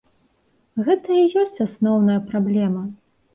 Гэта і ёсць асноўная праблема.